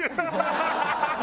ハハハハ！